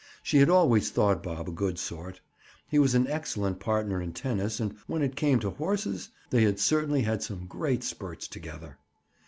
She had always thought Bob a good sort. He was an excellent partner in tennis and when it came to horses—they had certainly had some great spurts together.